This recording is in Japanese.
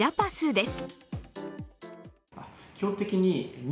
です。